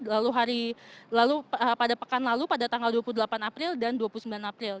lalu hari lalu pada pekan lalu pada tanggal dua puluh delapan april dan dua puluh sembilan april